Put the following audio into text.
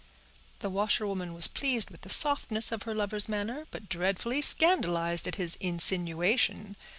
The washerwoman was pleased with the softness of her lover's manner, but dreadfully scandalized at his insinuation.